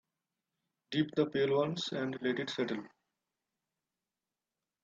Dip the pail once and let it settle.